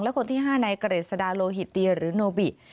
และคนที่ห้านายเกรษดาโลหิตตีหรือโนบิ